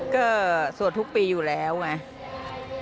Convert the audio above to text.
ก็สวดทุกปีอยู่แล้วไง